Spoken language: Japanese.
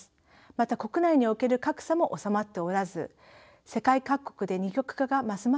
また国内における格差も収まっておらず世界各国で二極化がますます進んでいます。